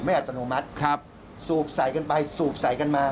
ไม่อัตโนมัติสูบใส่กันไปสูบใส่กันมา